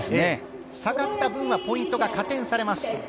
下がった分はポイントが加点されます。